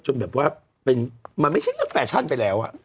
จนแบบว่ามันไม่ใช่แฟชั่นไปแล้ว